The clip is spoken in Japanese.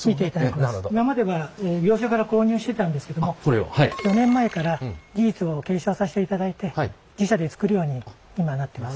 今までは業者から購入してたんですけども４年前から技術を継承させていただいて自社で作るように今なってます。